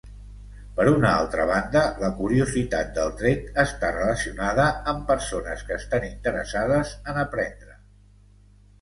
Per una altra banda, la curiositat del tret, està relacionada amb persones que esta interessades en aprendre.